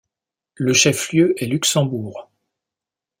Le chef-lieu est Luxembourg.